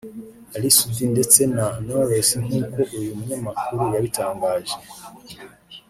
Ally Soudi ndetse na Knowless nkuko uyu munyamakuru yabitangaje